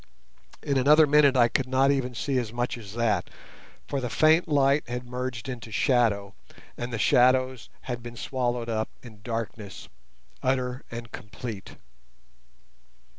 In another minute I could not even see as much as that, for the faint light had merged into shadow, and the shadows had been swallowed up in darkness, utter and complete.